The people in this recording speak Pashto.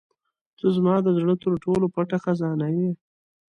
• ته زما د زړه تر ټولو پټه خزانه یې.